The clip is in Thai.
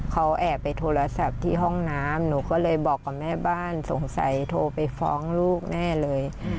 เขาแอบไปโทรศัพท์ที่ห้องน้ำหนูก็เลยบอกกับแม่บ้านสงสัยโทรไปฟ้องลูกแน่เลย